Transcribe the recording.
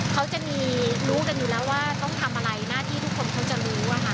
เขาจะมีรู้กันอยู่แล้วว่าต้องทำอะไรหน้าที่ทุกคนเขาจะรู้อะค่ะ